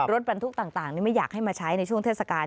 รถบรรทุกต่างไม่อยากให้มาใช้ในช่วงเทศกาล